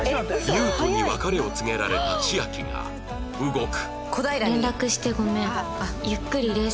優斗に別れを告げられた千秋が動く